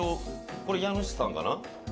これ家主さんかな？